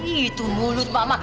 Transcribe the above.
itu mulut mama